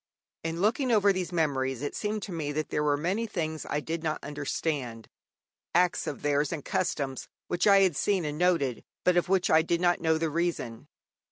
In looking over these memories it seemed to me that there were many things I did not understand, acts of theirs and customs, which I had seen and noted, but of which I did not know the reason.